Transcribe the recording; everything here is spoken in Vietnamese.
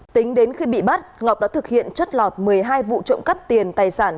tính đến khi bị bắt ngọc đã thực hiện chất lọt một mươi hai vụ trộm cắp tiền tài sản